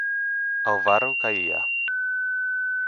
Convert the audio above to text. Alvaro Calleja.